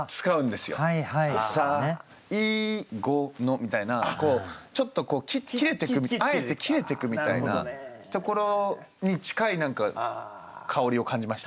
「最後の」みたいなちょっと切れてくあえて切れてくみたいなところに近い何か香りを感じまして。